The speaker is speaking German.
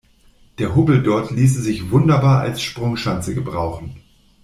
Der Hubbel dort ließe sich wunderbar als Sprungschanze gebrauchen.